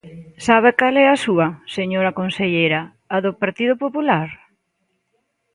¿Sabe cal é a súa, señora conselleira, a do Partido Popular?